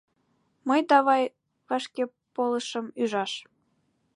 Мый давай вашкеполышым ӱжаш...